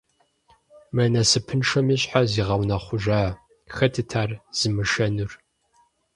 Мы насыпыншэми щхьэ зигъэунэхъужа? Хэтыт ар зымышэнур?